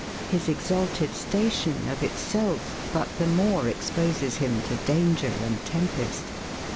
His exalted station, of itself but the more exposes him to danger and tempest.